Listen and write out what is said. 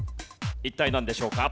一体なんでしょうか？